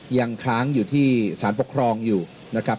ยังค้างอยู่ที่สารปกครองอยู่นะครับ